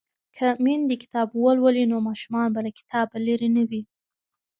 که میندې کتاب ولولي نو ماشومان به له کتابه لرې نه وي.